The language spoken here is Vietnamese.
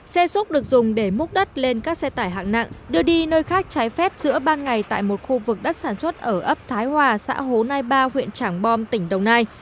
xe xúc được dùng để múc đất lên các xe tải hạng nặng đưa đi nơi khác trái phép giữa ban ngày tại một khu vực đất sản xuất ở ấp thái hòa xã hồ nai ba huyện trảng bom tỉnh đồng nai